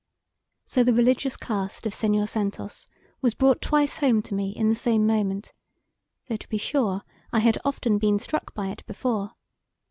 So the religious cast of Senhor Santos was brought twice home to me in the same moment, though, to be sure, I had often been struck by it before.